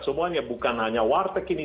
semuanya bukan hanya warteg ini